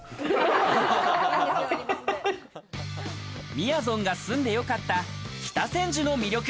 みやぞんが住んでよかった北千住の魅力。